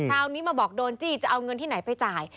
คราวนี้มาบอกโดนจี้จะเอาเงินที่ไหนไปจ่าย